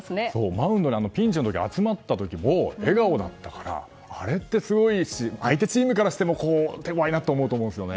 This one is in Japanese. マウンドに、ピンチの時に集まった時も笑顔だったらからあれってすごいし相手チームからしても手ごわいと思うんですね。